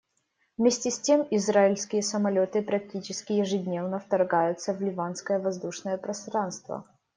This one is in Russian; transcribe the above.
Вместе с тем, израильские самолеты практически ежедневно вторгаются в ливанское воздушное пространство.